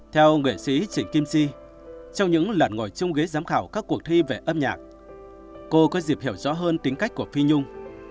theo nghệ sĩ trịnh kim si trong những lần ngồi chung ghế giám khảo các cuộc thi về âm nhạc cô có dịp hiểu rõ hơn tính cách của phi nhung